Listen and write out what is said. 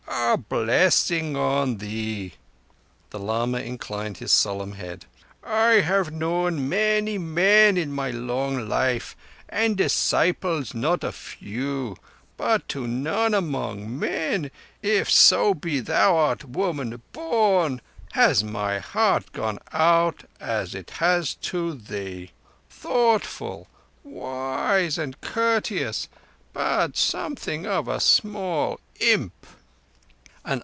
"A blessing on thee." The lama inclined his solemn head. "I have known many men in my so long life, and disciples not a few. But to none among men, if so be thou art woman born, has my heart gone out as it has to thee—thoughtful, wise, and courteous; but something of a small imp."